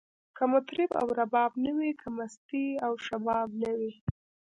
که مطرب او رباب نه وی، که مستی او شباب نه وی